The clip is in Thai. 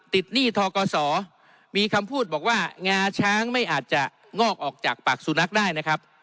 หนี้ทกศมีคำพูดบอกว่างาช้างไม่อาจจะงอกออกจากปากสุนัขได้นะครับ